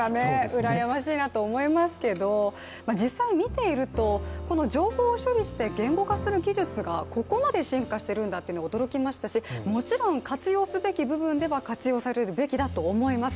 うらやましいと思いますけれども、実際見ていると、この情報を処理して言語化する技術が、ここまで進化しているんだというのは驚きましたし、もちろん活用すべき部分では活用されるべきだと思います。